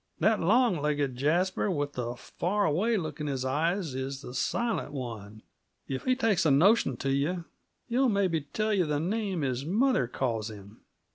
That long legged jasper with the far away look in his eyes is the Silent One if he takes a notion t' you, he'll maybe tell yuh the name his mother calls him.